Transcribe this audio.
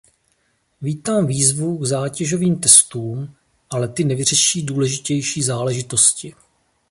Vítám výzvu k zátěžovým testům, ale ty nevyřeší důležitější záležitosti.